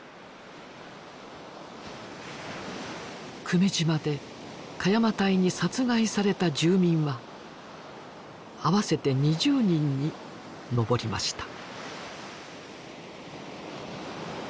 久米島で鹿山隊に殺害された住民は合わせて２０人に上りました。